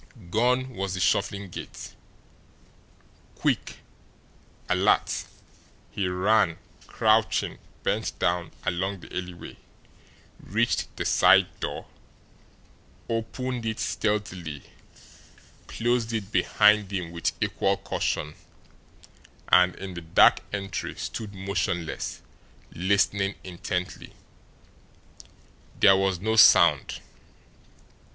Gone was the shuffling gait. Quick, alert, he ran, crouching, bent down, along the alleyway, reached the side door, opened it stealthily, closed it behind him with equal caution, and, in the dark entry, stood motionless, listening intently. There was no sound.